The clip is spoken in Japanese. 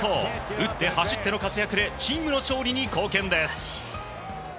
打って走っての活躍でチームの勝利に貢献です。